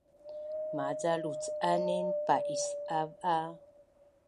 Maca lucanin pa’isav a